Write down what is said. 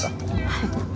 はい。